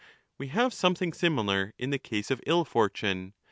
We have something similar in the case of ill fortune.